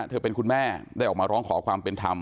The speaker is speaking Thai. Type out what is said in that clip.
เป็นคุณแม่ได้ออกมาร้องขอความเป็นธรรม